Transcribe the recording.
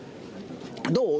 どう？